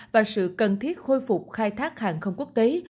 và sự cần thiết khôi phục khai thác hàng không quốc tế